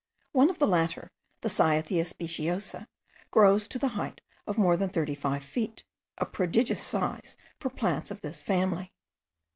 One of the latter, the Cyathea speciosa,* grows to the height of more than thirty five feet, a prodigious size for plants of this family.